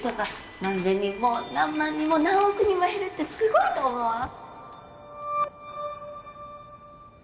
何千人も何万人も何億人も減るってすごいと思わん？